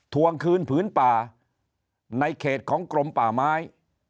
ทวงคืนผืนป่าในเขตของกรมป่าไม้